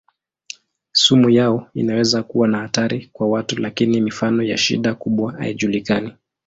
Sumu yao inaweza kuwa na hatari kwa watu lakini mifano ya shida kubwa haijulikani.